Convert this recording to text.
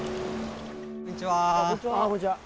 こんにちは。